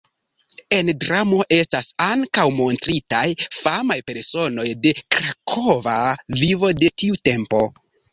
En dramo estas ankaŭ montritaj famaj personoj de krakova vivo de tiu tempo.